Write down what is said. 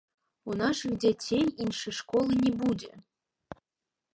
У нашых дзяцей іншай школы не будзе.